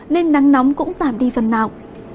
nên nắng nóng cũng giảm đi phần nào